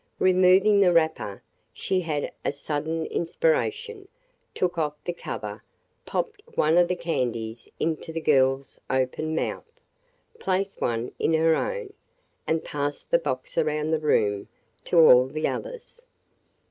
Removing the wrapper, she had a sudden inspiration, took off the cover, popped one of the candies into the girl's open mouth, placed one in her own, and passed the box around the room to all the others.